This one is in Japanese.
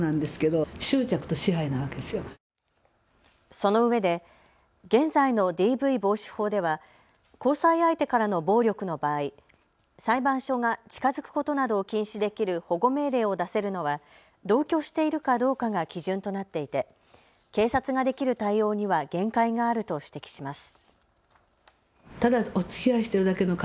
そのうえで現在のＤＶ防止法では交際相手からの暴力の場合、裁判所が近づくことなどを禁止できる保護命令を出せるのは同居しているかどうかが基準となっていて警察ができる対応には限界があると指摘します。